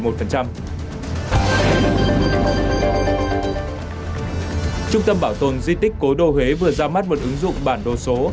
trung tâm bảo tồn di tích cố đô huế vừa ra mắt một ứng dụng bản đồ số